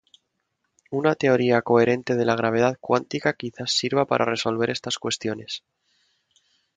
Una teoría coherente de la gravedad cuántica quizás sirva para resolver estas cuestiones.